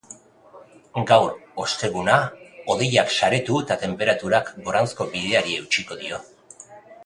Gaur, osteguna, hodeiak saretu eta tenperaturak goranzko bideari eutsiko dio.